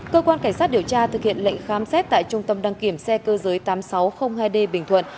cơ quan cảnh sát điều tra thực hiện lệnh khám xét tại trung tâm đăng kiểm xe cơ giới tám nghìn sáu trăm linh hai d bình thuận